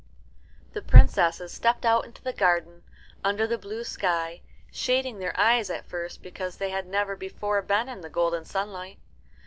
The princesses stepped out into the garden, under the blue sky, shading their eyes at first because they had never before been in the golden sunlight.